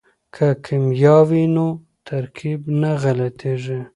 که کیمیا وي نو ترکیب نه غلطیږي.